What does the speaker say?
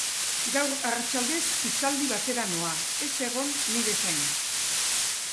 Gaur arratsaldez hitzaldi batera noa, ez egon nire zain.